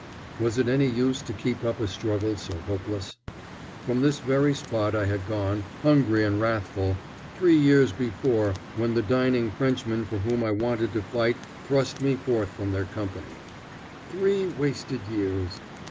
Was it any use to keep up a struggle so hopeless? From this very spot I had gone, hungry and wrathful, three years before when the dining Frenchmen for whom I wanted to fight thrust me forth from their company. Three wasted years!